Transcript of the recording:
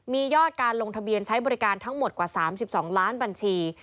มียอดการลงทะเบียนใช้บริการทั้งหมดกว่า๓๒ล้านบัญชี